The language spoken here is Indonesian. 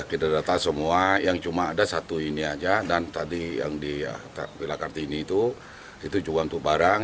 kita data semua yang cuma ada satu ini aja dan tadi yang di wilayah kartini itu itu juga untuk barang